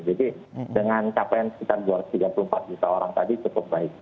dengan capaian sekitar dua ratus tiga puluh empat juta orang tadi cukup baik